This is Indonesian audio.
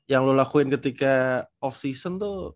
yang lo lakuin ketika off season tuh